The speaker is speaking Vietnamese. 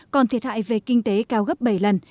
còn thiệt hại về kinh tế cao gấp bảy lần